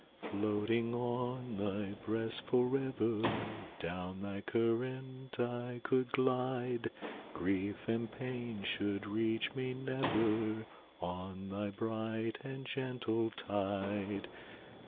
"Floating on thy breast forever Down thy current I could glide; Grief and pain should reach me never On thy bright and gentle tide.